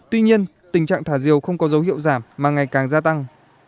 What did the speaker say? tuy nhiên tình trạng thả diều không có dấu hiệu giảm mà ngày càng gia tăng